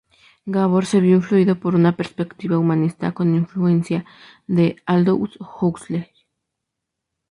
Gabor se vio influido por una perspectiva humanista, con influencia de Aldous Huxley.